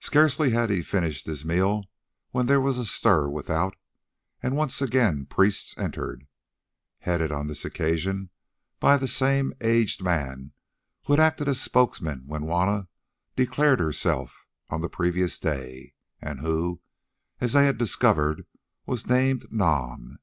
Scarcely had he finished his meal when there was a stir without, and once again priests entered, headed on this occasion by that same aged man who had acted as a spokesman when Juanna declared herself on the previous day, and who, as they had discovered, was named Nam.